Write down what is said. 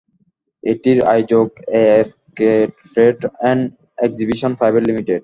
এটির আয়োজক ASK trade and exhibition private limited.